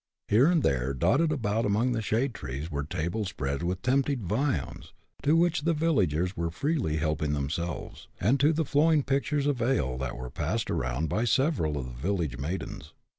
Here and there dotted about among the shade trees were tables spread with tempting viands, to which the villagers were freely helping themselves, and to the flowing pitchers of ale that were passed around by several of the village maidens.